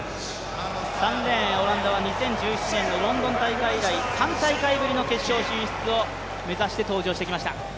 ３レーン、オランダは２０１７年のロンドン大会以来３大会ぶりの決勝進出を目指して登場してきました。